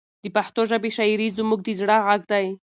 د پښتو ژبې شاعري زموږ د زړه غږ دی.